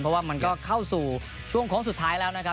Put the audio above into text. เพราะว่ามันก็เข้าสู่ช่วงโค้งสุดท้ายแล้วนะครับ